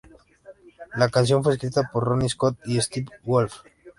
La canción fue escrita por Ronnie Scott y Steve Wolfe.